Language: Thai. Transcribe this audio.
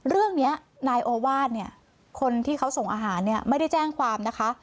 เรื่องนี้นายโอวาสเนี่ยคนที่เขาส่งอาหารเนี่ยไม่ได้แจ้งความนะคะ